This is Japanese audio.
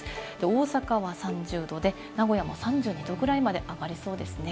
大阪は３０度で名古屋も３２度ぐらいまで上がりそうですね。